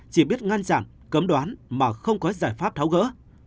chỉ biết ngăn chặn cấm đoán mà không có giải pháp tháo gỡ